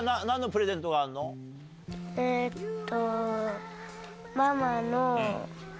えっと。